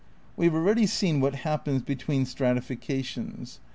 We have already seen what happens between strati fications.